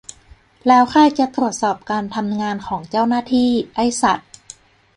แล้วใครจะตรวจสอบการทำงานของเจ้าหน้าที่ ? ไอ้สัส